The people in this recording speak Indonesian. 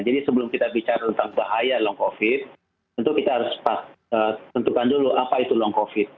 jadi sebelum kita bicara tentang bahaya long covid tentu kita harus tentukan dulu apa itu long covid